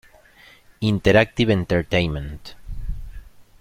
Interactive Entertainment".